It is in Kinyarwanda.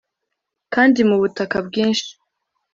kandi mu butaka bwinshi